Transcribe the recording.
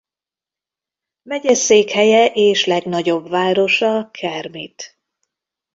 Megyeszékhelye és legnagyobb városa Kermit.